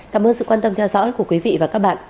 cảm ơn sự quan tâm cho rõ của quý vị và các bạn